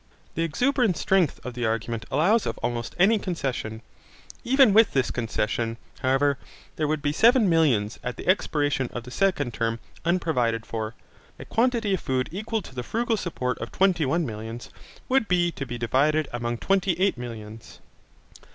The exuberant strength of the argument allows of almost any concession. Even with this concession, however, there would be seven millions at the expiration of the second term unprovided for. A quantity of food equal to the frugal support of twenty one millions, would be to be divided among twenty eight millions.